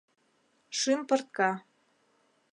Шӱм пыртка.